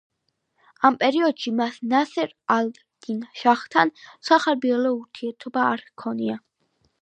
ამ პერიოდში მას ნასერ ალ-დინ შაჰთან სახარბიელო ურთიერთობა არ ჰქონია.